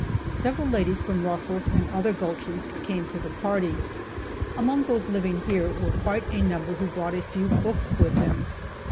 Several ladies from Russell's and other gulches came to the party. Among those living here were quite a number who brought a few books with them.